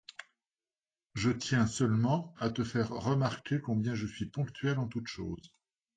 Je tiens seulement à te faire remarquer combien je suis ponctuel en toute chose.